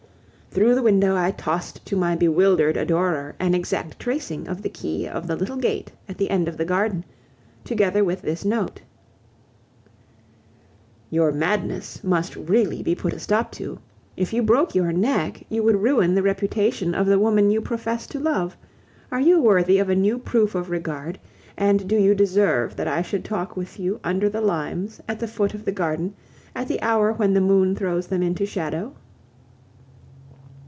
Through the window I tossed to my bewildered adorer an exact tracing of the key of the little gate at the end of the garden, together with this note: "Your madness must really be put a stop to. If you broke your neck, you would ruin the reputation of the woman you profess to love. Are you worthy of a new proof of regard, and do you deserve that I should talk with you under the limes at the foot of the garden at the hour when the moon throws them into shadow?"